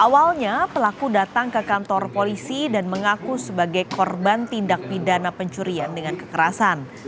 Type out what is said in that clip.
awalnya pelaku datang ke kantor polisi dan mengaku sebagai korban tindak pidana pencurian dengan kekerasan